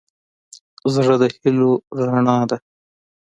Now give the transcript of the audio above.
زړه د هيلو رڼا ده.